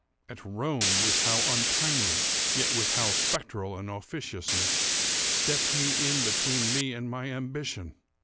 —at Rome, with how untimely, yet with how spectral an officiousness, stepped he in between me and my ambition!